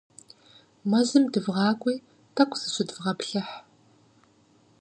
Мэзым дывгъакӀуи, тӀэкӀу зыщыдвгъэплъыхь.